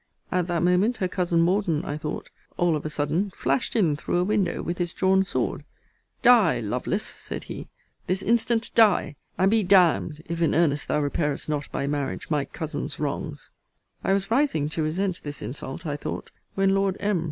'At that moment her cousin Morden, I thought, all of a sudden, flashed in through a window, with his drawn sword Die, Lovelace! said he; this instant die, and be d d, if in earnest thou repairest not by marriage my cousin's wrongs! 'I was rising to resent this insult, I thought, when Lord M.